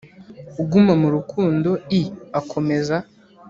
uguma mu rukundo l akomeza